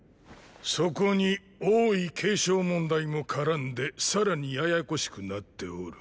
そこに王位継承問題も絡んでさらにややこしくなっておる。